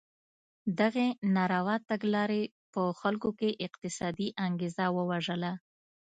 دغې ناروا تګلارې په خلکو کې اقتصادي انګېزه ووژله.